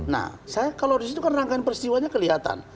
nah kalau disitu kan rangkaian persiduanya kelihatan